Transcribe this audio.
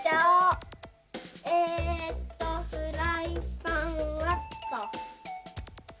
えっとフライパンはっと。